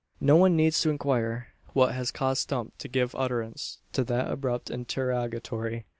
No one needs to inquire, what has caused Stump to give utterance to that abrupt interrogatory.